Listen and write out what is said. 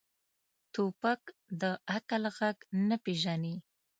توپک د عقل غږ نه پېژني.